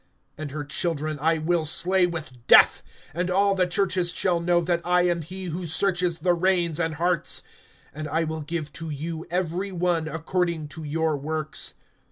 (23)And her children I will slay with death; and all the churches shall know that I am he who searches the reins and hearts; and I will give to you every one according to your works.